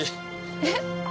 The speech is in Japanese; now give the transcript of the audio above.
えっ？